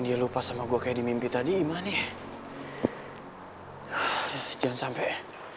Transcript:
dia lupa sama gue kayak di mimpi tadi gimana jangan sampai